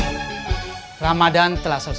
lagi mikir gimana caranya mereka gak masuk lagi